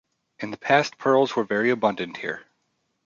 In the past pearls were very abundant here.